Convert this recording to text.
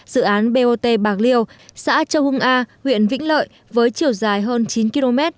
dự án bot bạc liêu xã châu hưng a huyện vĩnh lợi với chiều dài hơn chín km